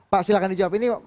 pak silahkan dijawabin nih